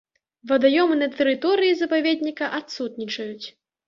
Вадаёмы на тэрыторыі запаведніка адсутнічаюць.